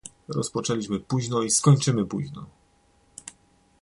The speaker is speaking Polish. Rozpoczęliśmy późno i skończymy późno